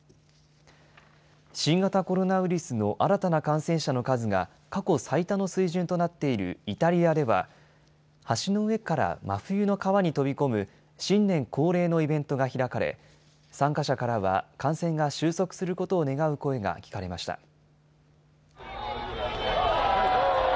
新型コロナウイルスの新たな感染者の数が過去最多の水準となっているイタリアでは、橋の上から真冬の川に飛び込む新年恒例のイベントが開かれ、参加者からは感染が収束することを願う声が聞かれました。